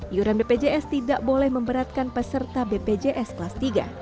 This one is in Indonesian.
iuran bpjs tidak boleh memberatkan peserta bpjs kelas tiga